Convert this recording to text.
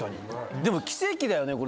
でも奇跡だよねこれ。